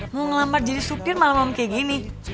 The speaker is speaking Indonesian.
mau ngelamar jadi supir malam malam kayak gini